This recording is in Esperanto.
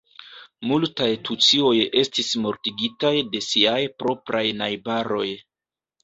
Multaj tucioj estis mortigitaj de siaj propraj najbaroj.